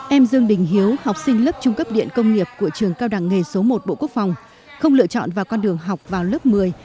em dương đình hiếu học sinh lớp trung cấp điện công nghiệp của trường cao đẳng nghề số một bộ quốc phòng không lựa chọn vào con đường học vào lớp một mươi